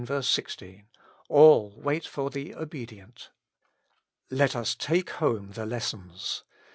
16), — all wait for the obedient. Let us take home the lessons.